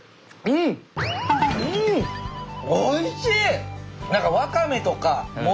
おいしい！